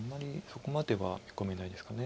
そこまでは見込めないですか。